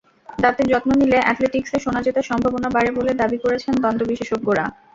দাঁতের যত্ন নিলে অ্যাথলেটিকসে সোনা জেতার সম্ভাবনা বাড়ে বলে দাবি করেছেন দন্ত্য বিশেষজ্ঞরা।